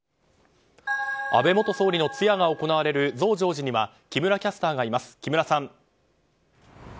安倍元総理の通夜が行われる増上寺には木村キャスターがいます。